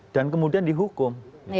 dan kemudian dihukum